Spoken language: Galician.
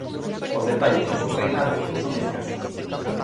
Os detalles do seu reinado son escasos.